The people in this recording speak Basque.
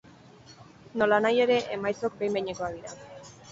Nolanahi ere, emaitzok behin behinekoak dira.